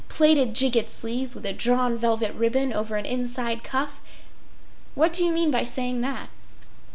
“—plaited gigot sleeves with a drawn velvet ribbon over an inside cuff. What do you mean by saying that?